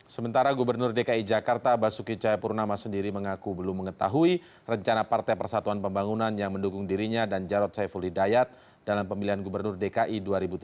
sementara gubernur dki jakarta basuki cahayapurnama sendiri mengaku belum mengetahui rencana partai persatuan pembangunan yang mendukung dirinya dan jarod saiful hidayat dalam pemilihan gubernur dki dua ribu tujuh belas